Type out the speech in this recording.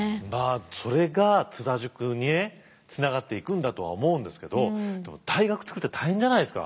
それが津田塾にねつながっていくんだとは思うんですけどでも大学作るって大変じゃないですか。